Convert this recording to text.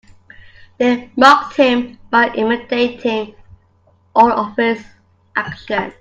They mocked him by imitating all of his actions.